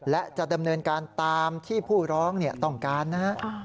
และจะดำเนินการตามที่ผู้ร้องต้องการนะฮะ